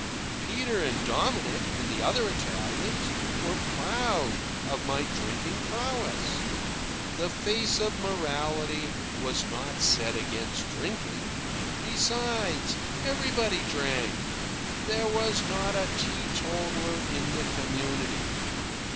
Peter and Dominick and the other Italians were proud of my drinking prowess. The face of morality was not set against drinking. Besides, everybody drank. There was not a teetotaler in the community.